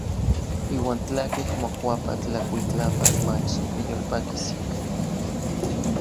Iuan tlakej mokuapa tlakuitlapan, mach niyolpakis ika.